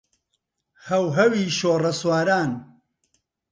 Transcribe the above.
هەوهەوی شۆڕەسواران